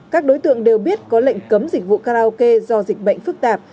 các đối tượng đều biết có lệnh cấm dịch vụ karaoke do dịch bệnh phức tạp